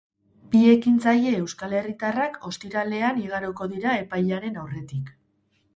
Bi ekintzaile euskal herritarrak ostiralean igaroko dira epailearen aurretik.